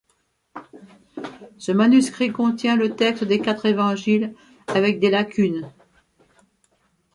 Ce manuscrit contient le texte des quatre Évangiles avec des lacunes.